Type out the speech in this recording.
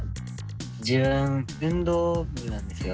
自分運動部なんですよ。